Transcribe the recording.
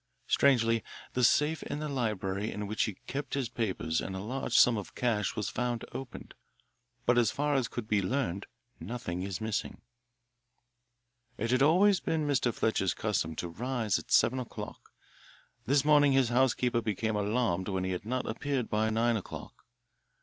Strangely, the safe in the library in which he kept his papers and a large sum of cash was found opened, but as far as could be learned nothing is missing. It had always been Mr. Fletcher's custom to rise at seven o'clock. This morning his housekeeper became alarmed when he had not appeared by nine o'clock.